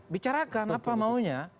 bicarakan apa maunya